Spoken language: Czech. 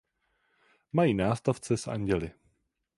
Mají nástavce s anděly.